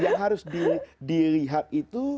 yang harus dilihat itu